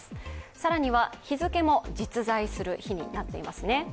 更には日付も実在する日になっていますね。